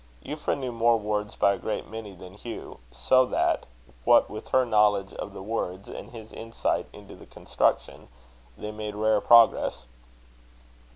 Euphra knew more words by a great many than Hugh; so that, what with her knowledge of the words, and his insight into the construction, they made rare progress.